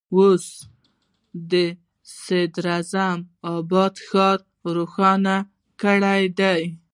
اوس یې د عظیم آباد ښار روښانه کړی دی.